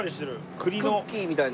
クッキーみたいな。